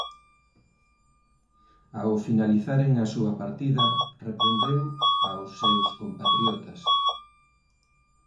Ao finalizaren a súa partida reprendeu aos seus compatriotas.